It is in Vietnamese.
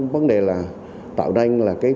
vấn đề là tạo nên là cái